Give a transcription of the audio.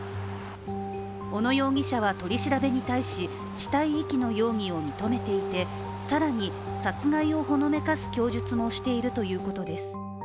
小野容疑者は取り調べに対し死体遺棄の容疑を認めていて更に殺害をほのめかす供述もしているということです。